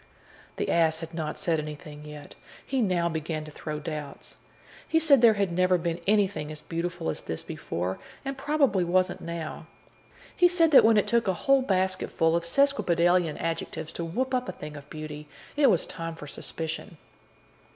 The ass had not said anything as yet; he now began to throw doubts. He said there had never been anything as beautiful as this before, and probably wasn't now. He said that when it took a whole basketful of sesquipedalian adjectives to whoop up a thing of beauty, it was time for suspicion.